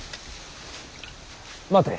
待て。